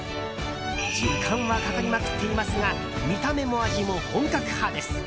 時間はかかりまくっていますが見た目も味も本格派です。